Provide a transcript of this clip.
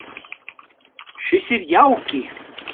Šis ir jauki.